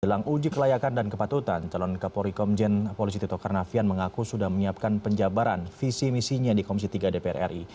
jelang uji kelayakan dan kepatutan calon kapolri komjen polisi tito karnavian mengaku sudah menyiapkan penjabaran visi misinya di komisi tiga dpr ri